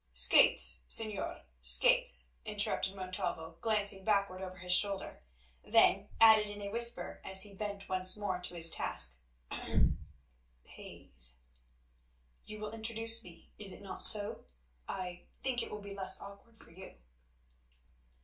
"Skates, Señor, skates," interrupted Montalvo, glancing backward over his shoulder, then added in a whisper as he bent once more to his task, "ahem—pays. You will introduce me, is it not so? I think it will be less awkward for you."